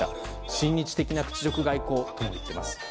親日的な屈辱外交と言っています。